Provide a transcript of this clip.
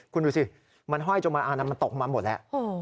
คุณดูสิมันห้อยจนมาอันนั้นมันตกมาหมดแล้ว